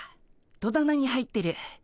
戸棚に入ってる。